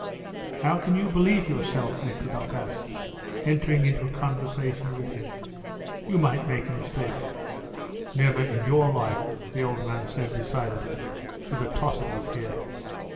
"How can you believe yourself?" Nekhludoff asked, entering into a conversation with him. "You might make a mistake." "Never in your life," the old man said decidedly, with a toss of his head.